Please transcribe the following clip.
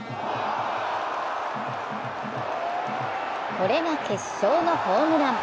これが決勝のホームラン。